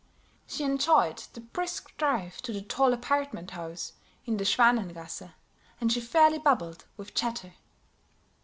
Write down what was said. She enjoyed the brisk drive to the tall apartment house in the Schwanengasse, and she fairly bubbled with chatter.